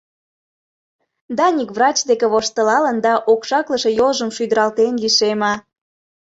Даник врач деке воштылалын да окшаклыше йолжым шӱдыралтен лишеме.